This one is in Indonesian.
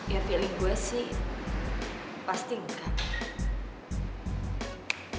ya pilih gue sih pasti enggak